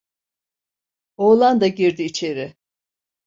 Oğlan da girdi içeri…